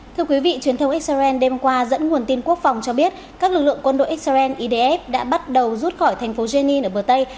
thưa quý vị truyền thông xrn đêm qua dẫn nguồn tin quốc phòng cho biết các lực lượng quân đội xrn edf đã bắt đầu rút khỏi thành phố jenin ở bờ tây